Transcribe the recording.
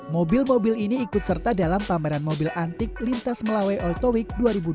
mobil mobil ini ikut serta dalam pameran mobil antik lintas melawai old towick dua ribu dua puluh dua